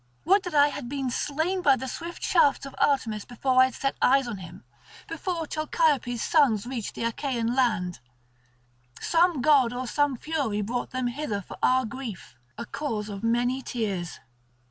Would that I had been slain by the swift shafts of Artemis before I had set eyes on him, before Chalciope's sons reached the Achaean land. Some god or some Fury brought them hither for our grief, a cause of many tears.